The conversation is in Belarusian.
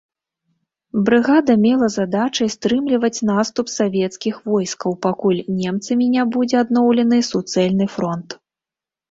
Брыгада мела задачай стрымліваць наступ савецкіх войскаў, пакуль немцамі не будзе адноўлены суцэльны фронт.